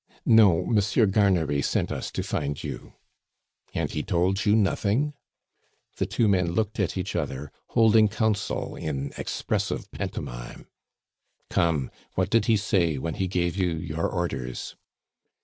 "No. Monsieur Garnery sent us to find you." "And he told you nothing?" The two men looked at each other, holding council in expressive pantomime. "Come, what did he say when he gave you your orders?"